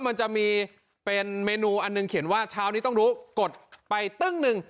มันจะมีเป็นเมนูอันหนึ่งเขียนว่าเช้านี้ต้องรู้กดไปตึ้งหนึ่ง